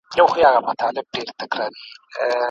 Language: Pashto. ستا په مخ کي دروغ نه سمه ویلای